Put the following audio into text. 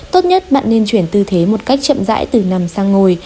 tốt nhất bạn nên chuyển tư thế một cách chậm dãi từ nằm sang ngồi